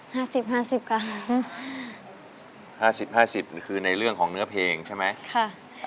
ห้าสิบห้าสิบค่ะห้าสิบห้าสิบคือในเรื่องของเนื้อเพลงใช่ไหมค่ะ